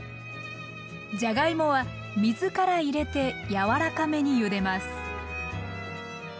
じゃがいもは水から入れて柔らかめにゆでます